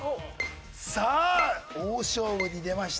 さあ大勝負に出ました。